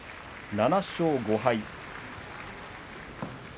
７勝５敗。